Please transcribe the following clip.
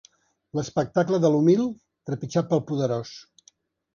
L'espectacle de l'humil trepitjat pel poderós